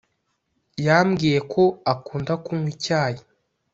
yambwiye ko akunda kunnywa icyayi